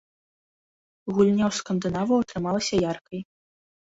Гульня ў скандынаваў атрымалася яркай.